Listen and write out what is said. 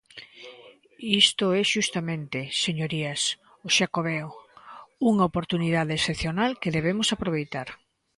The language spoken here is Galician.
Isto é xustamente, señorías, o Xacobeo: unha oportunidade excepcional que debemos aproveitar.